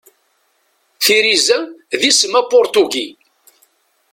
Tiriza d isem apurtugi.